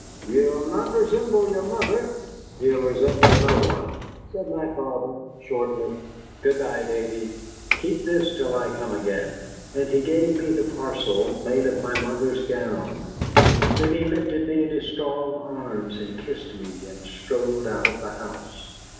"You'll not resemble your mother." "He'll resemble no one," said my father, shortly. "Good by, Davy. Keep this till I come again." And he gave me the parcel made of my mother's gown. Then he lifted me in his strong arms and kissed me, and strode out of the house.